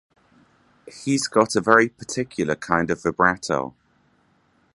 He's got a very particular kind of vibrato.